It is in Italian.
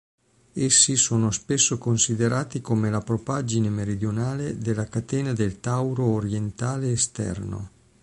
Essi sono spesso considerati come la propaggine meridionale della catena del Tauro Orientale esterno.